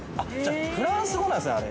◆フランス語なんですね、あれ。